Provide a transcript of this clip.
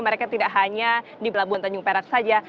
mereka tidak hanya di pelabuhan tanjung perak saja